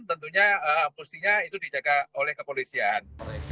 tentunya mestinya itu dijaga oleh kepolisian